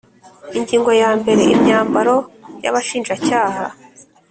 Ingingo yambere Imyambaro y abashinjacyaha